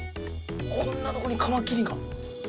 こんなとこにカマキリが！